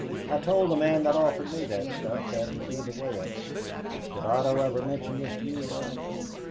I told the man that offered me that stuff that would be the way of it." "Did Otto ever mention this to you, Ralph?"